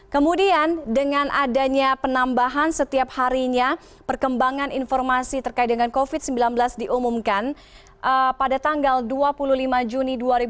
kemudian dengan adanya penambahan setiap harinya perkembangan informasi terkait dengan covid sembilan belas diumumkan pada tanggal dua puluh lima juni dua ribu dua puluh